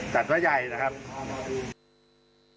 จัดว่าใหญ่นะครับ